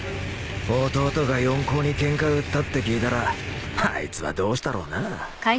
弟が四皇にケンカ売ったって聞いたらあいつはどうしたろうな